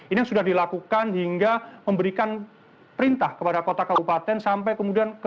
ini sudah dilakukan hingga memberikan perintah kepada kota kabupaten sampai kemudian